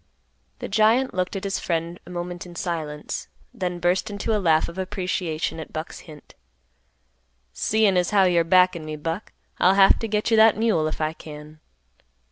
The giant looked at his friend a moment in silence, then burst into a laugh of appreciation at Buck's hint. "Seein' as how you're backin' me, Buck, I'll have t' get you that mule if I can."